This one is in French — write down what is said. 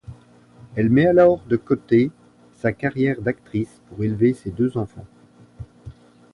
Elle met alors de côté sa carrière d'actrice pour élever ses deux enfants.